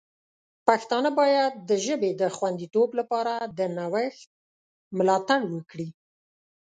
پښتانه باید د ژبې د خوندیتوب لپاره د نوښت ملاتړ وکړي.